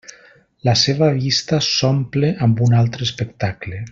La seva vista s'omple amb un altre espectacle.